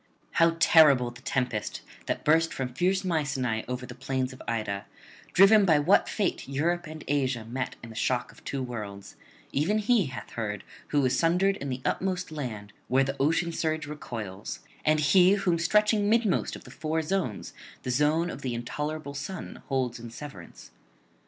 How terrible the tempest that burst from fierce Mycenae over the plains of Ida, driven by what fate Europe and Asia met in the shock of two worlds, even he hath heard who is sundered in the utmost land where the ocean surge recoils, and he whom stretching midmost of the four zones the zone of the intolerable sun holds in severance.